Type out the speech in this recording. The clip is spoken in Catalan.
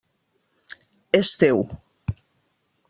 És teu.